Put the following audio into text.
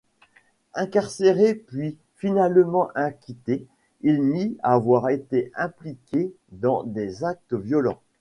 Incarcéré puis finalement acquitté, il nie avoir été impliqué dans des actes violents.